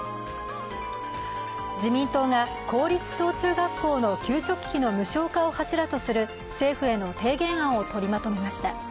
自民党が公立小中学校の給食費の無償化を柱とする政府への提言案を取りまとめました。